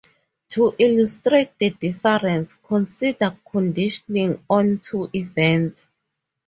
To illustrate the difference, consider conditioning on two events.